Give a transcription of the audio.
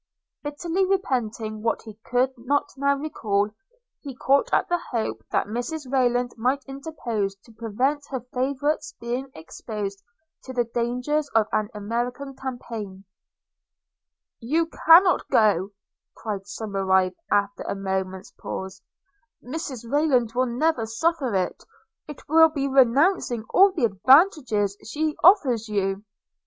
– Bitterly repenting what he could not now recall, he caught at the hope that Mrs Rayland might interpose to prevent her favourite's being exposed to the dangers of an American campaign – 'You cannot go,' cried Somerive, after a moment's pause; 'Mrs Rayland will never suffer it – it will be renouncing all the advantages she offers you.'